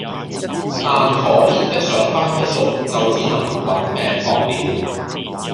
但可憐的上班一族就只能「搵命博」了